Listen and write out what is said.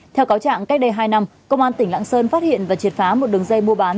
theo cáo trạng cách đây hai năm công an tỉnh lạng sơn phát hiện và triệt phá một đường dây mua bán